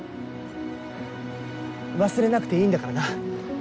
忘れなくていいんだからな。